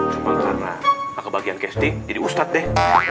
sumpah karena gak kebagian casting jadi ustad deh